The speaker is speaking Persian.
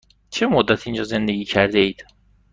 چه مدت اینجا زندگی کرده اید؟